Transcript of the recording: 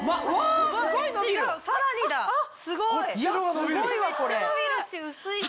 すごいわこれ。